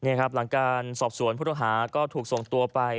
นี่ครับหลังการสอบสวนผู้ต้องหาก็ถูกส่งตัวไป